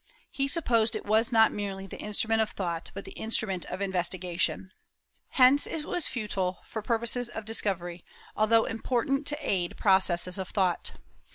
"He supposed it was not merely the instrument of thought, but the instrument of investigation." Hence it was futile for purposes of discovery, although important to aid processes of thought.